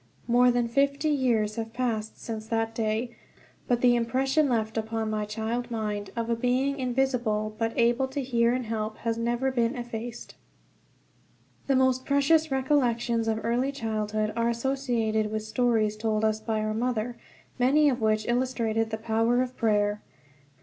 More than fifty years have passed since that day, but the impression left upon my child mind, of a Being invisible but able to hear and help, has never been effaced. The most precious recollections of early childhood are associated with stories told us by our mother, many of which illustrated the power of prayer.